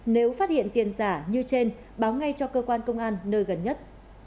nếu phát hiện tiền giả như trên báo ngay cho cơ quan công an nơi gần nhất